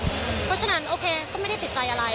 เพราะฉะนั้นโอเคก็ไม่ได้ติดใจอะไร